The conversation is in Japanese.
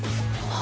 あ。